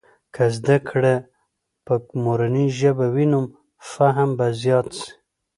که زده کړې په مورنۍ ژبې وي، نو فهم به زيات سي.